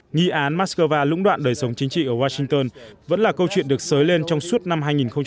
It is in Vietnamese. nghi án moscow lũng đoạn đời sống chính trị ở washington vẫn là câu chuyện được sới lên trong suốt năm hai nghìn một mươi chín